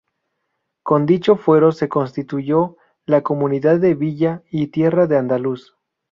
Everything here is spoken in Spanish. Con dicho Fuero se constituyó la Comunidad de villa y tierra de Andaluz.